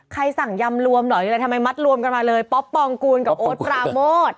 สั่งยำรวมเหรอหรืออะไรทำไมมัดรวมกันมาเลยป๊อปปองกูลกับโอ๊ตปราโมท